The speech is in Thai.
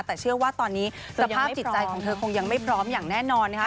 แต่เชื่อว่าตอนนี้สภาพจิตใจของเธอคงยังไม่พร้อมอย่างแน่นอนนะคะ